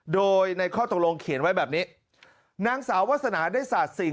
โดยในข้อตกลงเขียนไว้แบบนี้นางสาววาสนาได้สาดสิ่ง